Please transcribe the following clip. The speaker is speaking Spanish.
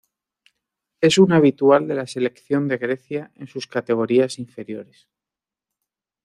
Es un habitual de la selección de Grecia en sus categorías inferiores.